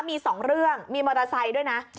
มี๒เรื่องมีมอเตอร์ไซค์ด้วยนะ